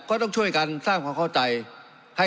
ก็ต้องช่วยกันสร้างความเข้าใจ